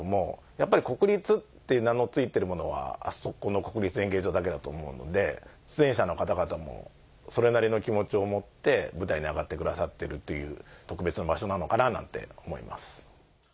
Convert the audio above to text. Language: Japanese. やっぱり国立って名の付いてるものはあそこの国立演芸場だけだと思うので出演者の方々もそれなりの気持ちを持って舞台に上がってくださってるっていう特別な場所なのかななんて思います。